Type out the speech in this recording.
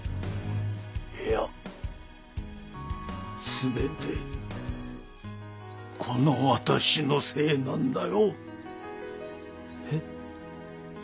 いやすべてこの私のせいなんだよ。えっ。